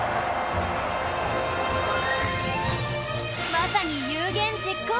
まさに有言実行